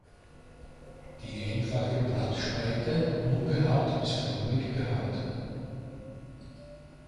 Die einfache Blattspreite unbehaart bis flaumig behaart.